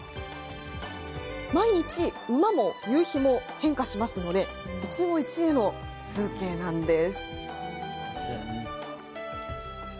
毎日、馬も夕日も変化しますので一期一会の風景なんです。